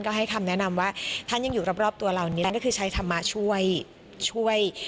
ก็ให้คำแนะนำว่าท่านยังอยู่รอบตัวเรานิดก็คือใช้ธรรมะช่วยช่วย